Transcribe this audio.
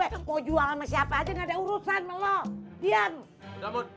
lo jual sama siapa aja gak ada urusan lo